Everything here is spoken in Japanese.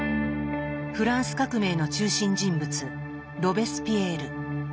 フランス革命の中心人物ロベスピエール。